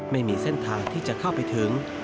ไม่มีเส้นทางที่จะเข้าไปถึง